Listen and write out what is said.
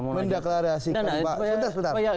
sebentar mendeklarasikan pak